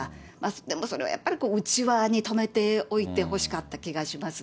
でもそれはやっぱり内輪に止めておいてほしかった気がしますね。